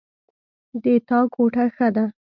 د تا کوټه ښه ده